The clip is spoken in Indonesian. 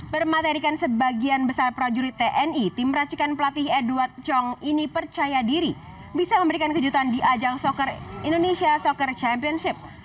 bermaterikan sebagian besar prajurit tni tim racikan pelatih edward chong ini percaya diri bisa memberikan kejutan di ajang indonesia soccer championship